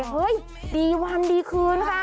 เฮ้ยดีวันดีคืนค่ะ